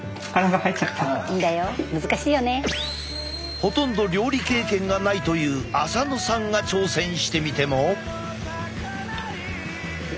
ほとんど料理経験がないという浅野さんが挑戦してみても。